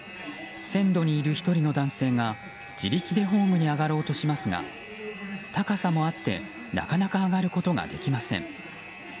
線路にいる１人の男性が、自力でホームに上がろうとしますが高さもあってなかなか上がることができません。